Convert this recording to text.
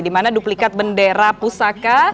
dimana duplikat bendera pusaka